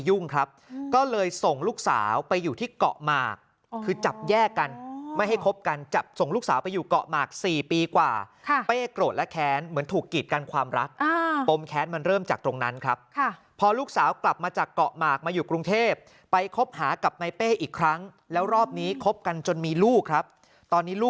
ก็เลยส่งลูกสาวไปอยู่ที่เกาะหมากคือจับแยกกันไม่ให้คบกันจับส่งลูกสาวไปอยู่เกาะหมาก๔ปีกว่าเป้โกรธและแค้นเหมือนถูกกีดกันความรักปมแค้นมันเริ่มจากตรงนั้นครับพอลูกสาวกลับมาจากเกาะหมากมาอยู่กรุงเทพไปคบหากับนายเป้อีกครั้งแล้วรอบนี้คบกันจนมีลูกครับตอนนี้ลูก